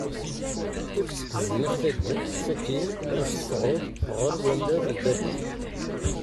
Ekk seg tezniqt-agi ssakin af teffeɣḍ ɣer unnar n ddabex.